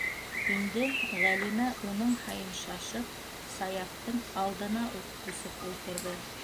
Инде, - Ғәлимә, уның һайын шашып, Саяфтың алдына уҡ күсеп ултырҙы.